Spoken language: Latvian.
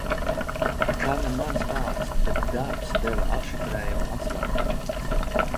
Ka ne mans vārds, bet darbs deva atšifrējuma atslēgu.